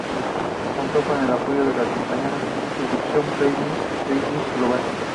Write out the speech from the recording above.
Contó con el apoyo de la compañía de producción "PlayList" y "PlayList Global".